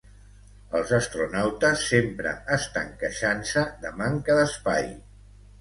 Els astronautes sempre estan queixant-se de manca d'espai.